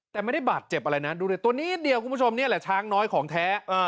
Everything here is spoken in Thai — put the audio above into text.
แต่ไม่ได้บาดเจ็บอะไรนะดูดิตัวนิดเดียวคุณผู้ชมนี่แหละช้างน้อยของแท้